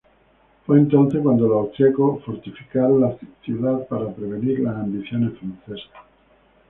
Fue entonces cuando los austríacos fortificaron la ciudad para prevenir las ambiciones francesas.